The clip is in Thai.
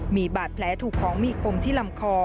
มีบาดแผลถูกของมีคมที่ลำคอ